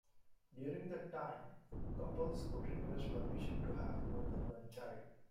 During that time, couples could request permission to have more than one child.